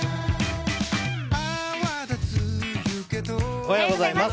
おはようございます。